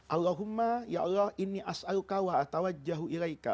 allahumma ya allah inni as'aluka wa atawad jahu ilaika